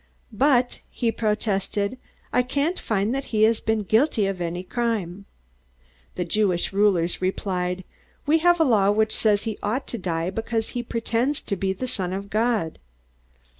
"But," he protested, "I can't find that he has been guilty of any crime!" The Jewish rulers replied, "We have a law which says he ought to die because he pretends to be the Son of God."